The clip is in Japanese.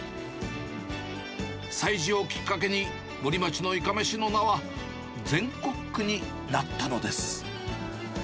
催事をきっかけに、森町のいかめしの名は、全国区になったのです。